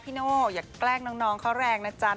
โน่อย่าแกล้งน้องเขาแรงนะจ๊ะ